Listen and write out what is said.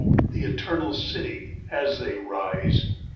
the eternal city, as they rise.